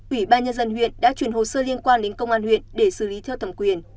ủy ban nhân dân huyện đã chuyển hồ sơ liên quan đến công an huyện để xử lý theo thẩm quyền